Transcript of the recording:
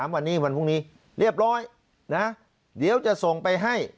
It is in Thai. วันนี้วันพรุ่งนี้เรียบร้อยนะเดี๋ยวจะส่งไปให้